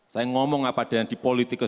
saya ngomong apa ada yang di politik